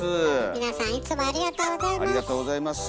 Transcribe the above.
皆さんいつもありがとうございます。